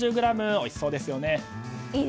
おいしそうですね。